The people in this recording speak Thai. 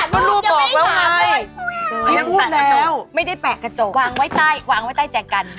รุ่นลูกบอกแล้วไงเลี้ยงลูกแล้วไม่ได้แปะกระจกวางไว้ใต้วางไว้ใต้แจกกัน